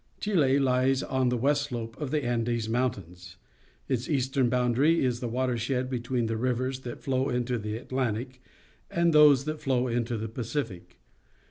— Chile Ues on the west slope of the Andes Mountains. Its eastern boundary is the watershed be tween the rivers that flow into the Atlantic and those that flow into the Pacific.